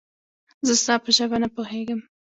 زه ستا په ژبه نه پوهېږم